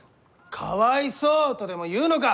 「かわいそう」とでも言うのか！？